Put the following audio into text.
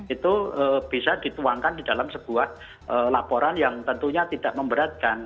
itu bisa dituangkan di dalam sebuah laporan yang tentunya tidak memberatkan